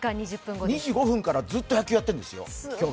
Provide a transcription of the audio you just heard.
２時５分からずっと野球やってるんですよ。